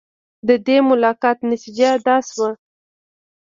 د دې ملاقات نتیجه دا شوه.